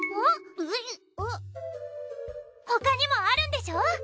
えっ？えっ？他にもあるんでしょ？